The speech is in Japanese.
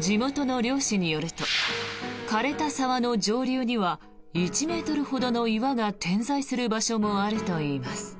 地元の猟師によると枯れた沢の上流には１ｍほどの岩が点在する場所もあるといいます。